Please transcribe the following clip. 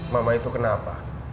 mama itu kenapa